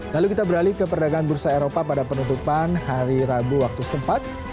lalu kita beralih ke perdagangan bursa eropa pada penutupan hari rabu waktu setempat